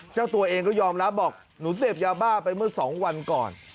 เจ้าตัวเองก็ยอมรับบอกหนูเสพยาบ้าไปเมื่อ๒วันก่อน